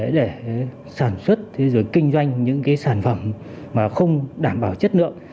để sản xuất kinh doanh những sản phẩm không đảm bảo chất lượng